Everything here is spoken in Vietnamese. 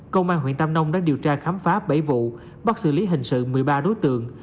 công an huyện tam nông đã điều tra khám phá bảy vụ bắt xử lý hình sự một mươi ba đối tượng